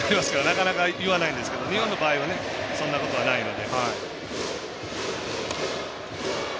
なかなか言わないんですけど日本の場合はそんなことないので。